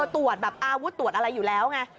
ตรวจแบบอาวุธตรวจอะไรอยู่แล้วไง